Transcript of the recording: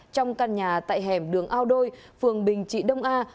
trong căn nhà tại hẻm đường ao đôi phường bình trị đông a